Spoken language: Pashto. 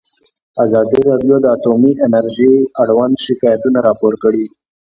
ازادي راډیو د اټومي انرژي اړوند شکایتونه راپور کړي.